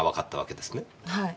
はい。